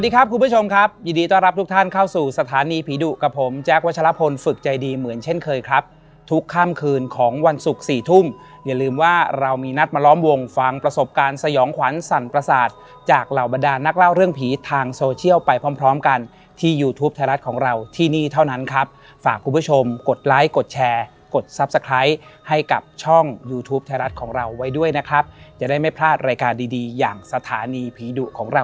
ครับคุณผู้ชมครับยินดีต้อนรับทุกท่านเข้าสู่สถานีผีดุกับผมแจ๊ควัชละพลฝึกใจดีเหมือนเช่นเคยครับทุกข้ามคืนของวันศุกร์สี่ทุ่มอย่าลืมว่าเรามีนัดมาล้อมวงฟังประสบการณ์สยองขวัญสรรพรศาสตร์จากเหล่าบรรดานนักเล่าเรื่องผีทางโซเชียลไปพร้อมกันที่ยูทูปไทยรัฐของเราที่นี่เ